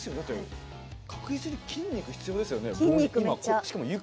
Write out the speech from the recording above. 確実に筋肉必要ですよね。